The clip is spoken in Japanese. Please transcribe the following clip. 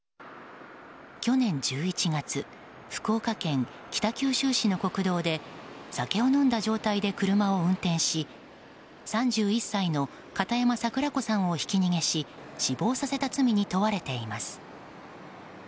去年１１月福岡県北九州市の国道で酒を飲んだ状態で車を運転し３１歳の片山桜子さんをひき逃げし死亡させた罪に問われています。